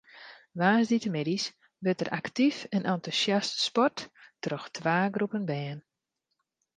Woansdeitemiddeis wurdt der aktyf en entûsjast sport troch twa groepen bern.